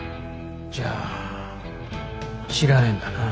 じゃあ知らねえんだな。